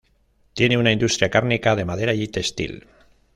Tiene industria cárnica, de madera y textil.